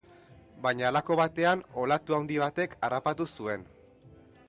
Baina halako batean, olatu handi batek harrapatu zuen.